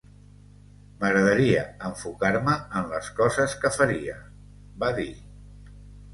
M'agradaria enfocar-me en les coses que faria, va dir.